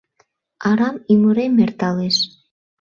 Арам ӱмырем эрталеш